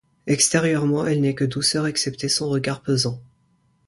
Extérieurement, elle n'est que douceur excepté son regard pesant.